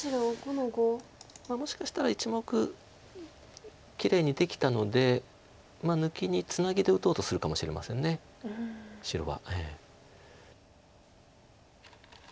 もしかしたら１目きれいにできたので抜きにツナギで打とうとするかもしれません白は。